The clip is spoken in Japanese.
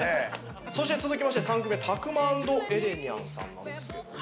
そして続きまして３組目たくま＆エレにゃんさんなんですけども。